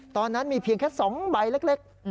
ตอนนั้นมีเพียงแค่๒ใบเล็ก